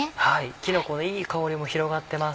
きのこのいい香りも広がってます。